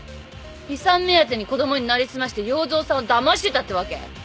遺産目当てに子供に成り済まして要造さんをだましてたってわけ？